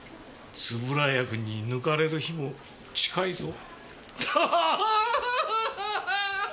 円谷君に抜かれる日も近いぞ。